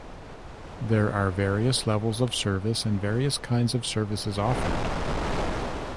There are various levels of service and various kinds of services offered.